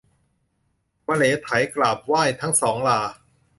มะเหลไถกราบไหว้ทั้งสองรา